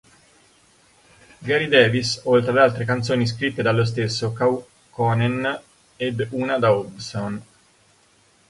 Gary Davis oltre ad altre canzoni scritte dallo stesso Kaukonen ed una da Hobson.